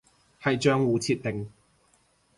係賬戶設定